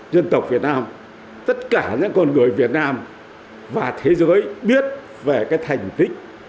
dân tộc việt nam tất cả những con người việt nam và thế giới biết về cái thành tích